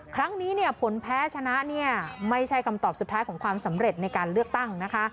ครั้งนี้เนี่ยผลแพ้ชนะเนี่ยไม่ใช่คำตอบสุดท้ายของความสำเร็จในการเลือกตั้งนะคะ